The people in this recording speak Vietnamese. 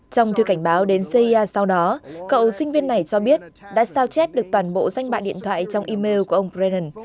trong thư cảnh báo đến cia sau đó cậu sinh viên này cho biết đã sao chép được toàn bộ danh bạ điện thoại trong email của ông bren